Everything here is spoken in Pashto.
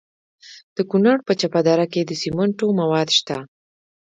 د کونړ په چپه دره کې د سمنټو مواد شته.